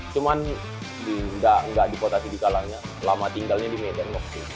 cuman tidak dipotasi di kalangnya lama tinggalnya di medan